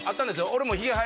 俺も。